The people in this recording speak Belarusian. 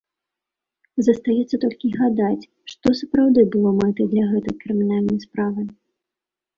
Застаецца толькі гадаць, што сапраўды было мэтай для гэтай крымінальнай справы?